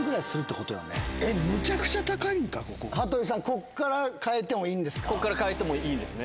ここから変えてもいいんですね。